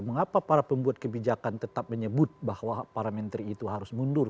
mengapa para pembuat kebijakan tetap menyebut bahwa para menteri itu harus mundur